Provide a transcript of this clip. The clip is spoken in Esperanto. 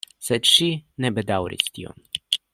Sed ŝi ne bedaŭris tion.